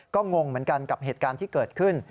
ก็งงเหมือนกันกับเหตุการณ์ที่เกิดขึ้น